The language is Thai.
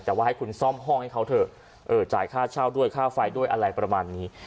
แต่ว่าให้คุณซ่อมห้องให้เขาเถอะจ่ายค่าเช่าด้วยค่าไฟด้วยอะไรประมาณนี้